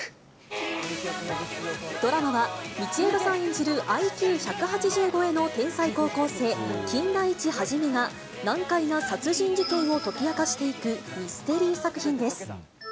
ドラマは、道枝さん演じるＩＱ１８０超えの天才高校生、金田一一が、難解な殺人事件を解き明かしていくミステリー作品です。